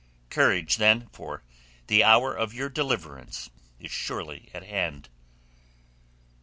Courage, then, for the hour of your deliverance is surely at hand."